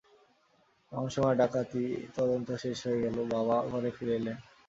এমন সময় ডাকাতি তদন্ত শেষ হয়ে গেল, বাবা ঘরে ফিরে এলেন।